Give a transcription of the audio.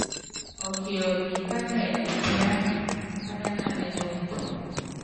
Ɔkiɔ nyi kánɛ upiányi pányánanɛ́ ɔ́kitɔŋɔ.